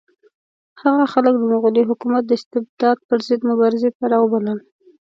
هغه خلک د مغلي حکومت د استبداد پر ضد مبارزې ته راوبلل.